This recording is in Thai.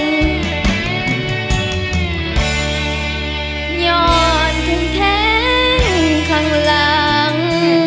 ก่อนขึ้นแท้งข้างหลัง